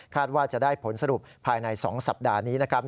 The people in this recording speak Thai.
ว่าจะได้ผลสรุปภายใน๒สัปดาห์นี้นะครับ